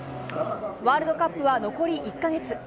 ワールドカップは残り１か月。